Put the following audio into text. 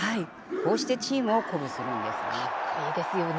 こうしてチームを鼓舞するんです。